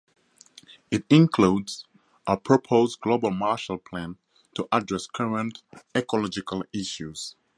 It includes a proposed "Global Marshall Plan" to address current ecological issues.